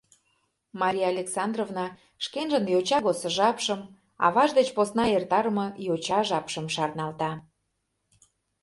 Мария Александровна шкенжын йоча годсо жапшым, аваж деч посна эртарыме йоча жапшым, шарналта.